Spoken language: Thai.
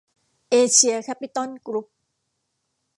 เอเชีย แคปปิตอล กรุ๊ป